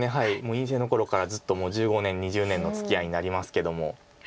院生の頃からずっともう１５年２０年のつきあいになりますけども。